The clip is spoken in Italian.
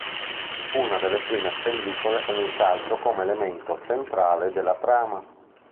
Fu una delle prime pellicole con il calcio come elemento centrale della trama.